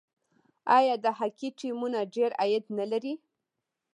آیا د هاکي ټیمونه ډیر عاید نلري؟